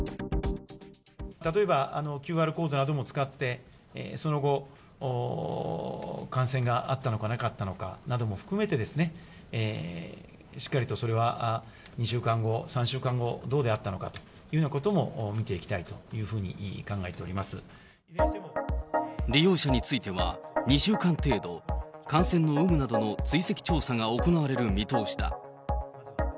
例えば、ＱＲコードなども使って、その後、感染があったのかなかったのかなども含めて、しっかりとそれは２週間後、３週間後、どうであったのかというようなことも見ていきたいというふうに考利用者については、２週間程度、感染の有無などの追跡調査が行われる見通しだ。